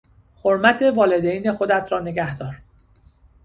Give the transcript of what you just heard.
حرمت والدین خودت را نگهدار.